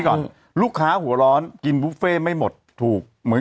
ต้องถามนู่นถามแม้น